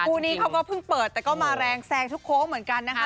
คู่นี้เขาก็เพิ่งเปิดแต่ก็มาแรงแซงทุกโค้งเหมือนกันนะคะ